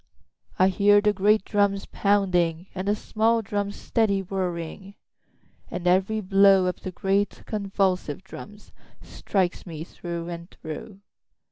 4I hear the great drums pounding, And the small drums steady whirring; And every blow of the great convulsive drums, Strikes me through and through.